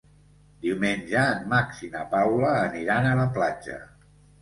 Diumenge en Max i na Paula aniran a la platja.